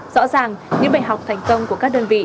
rõ ràng những bài học thành công của các đơn vị